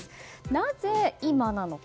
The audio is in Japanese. なぜ今なのか。